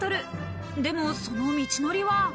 でもその道のりは。